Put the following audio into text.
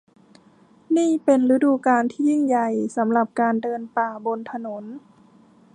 นี่เป็นฤดูกาลที่ยิ่งใหญ่สำหรับการเดินป่าบนถนน